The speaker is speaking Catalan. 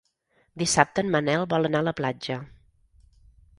Dissabte en Manel vol anar a la platja.